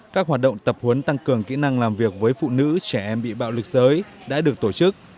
các hoạt động tập huấn tăng cường kỹ năng làm việc với phụ nữ trẻ em bị bạo lực giới đã được tổ chức